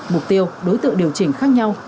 mục tiêu đối tượng điều chỉnh khác nhau